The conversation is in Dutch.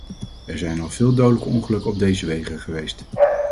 Er zijn al veel dodelijke ongelukken op deze wegen geweest.